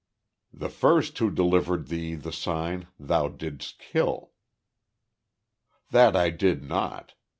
"The first who delivered thee the sign thou didst kill." "That did I not.